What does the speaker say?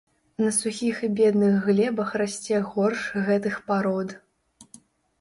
На сухіх і бедных глебах расце горш гэтых парод.